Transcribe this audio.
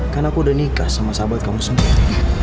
karena aku udah nikah sama sahabat kamu sendiri